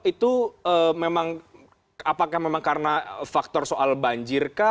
itu memang apakah memang karena faktor soal banjir kah